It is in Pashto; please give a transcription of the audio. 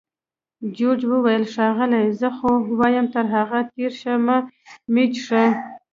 جورج وویل: ښاغلې! زه خو وایم تر هغوی تېر شه، مه یې څښه.